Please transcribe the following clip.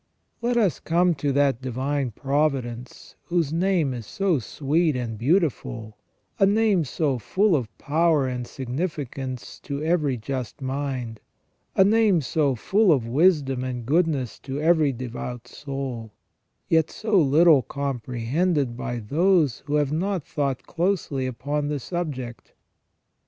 Let us come to thai Divine Providence whose name is so sweet and beautiful, a name so full of power and significance to every just mind, a name so full of wisdom and goodness to every devout soul ; yet so little comprehended by those who have not thought closely upon the subject.